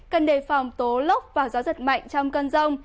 cần đề phòng tố lốc và gió giật mạnh trong cơn rông